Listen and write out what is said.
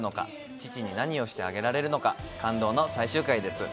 父に何をしてあげられるのか、感動の最終回です。